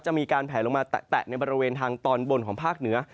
จะมีการแผลลงมาแตะในบริเวณทางตอนบนของภาคเหนือ